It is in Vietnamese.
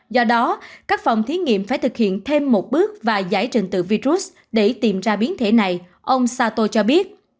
do đó các phòng thí nghiệm phải thực hiện thêm một bước và giải trình từ virus để tìm ra biến thể này ông sato cho biết